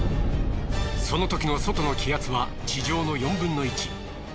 そのときの外の気圧は地上の４分の１。